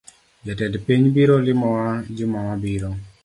Jatend piny biro limowa juma mabiro